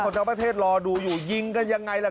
คนทำประเทศรอดูอยู่ยิงกันอย่างไรล่ะ